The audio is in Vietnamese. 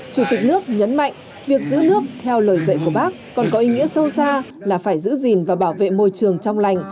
chủ tịch nước nhấn mạnh việc giữ nước theo lời dạy của bác còn có ý nghĩa sâu xa là phải giữ gìn và bảo vệ môi trường trong lành